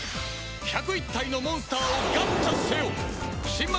１０１体のモンスターをガッチャせよ！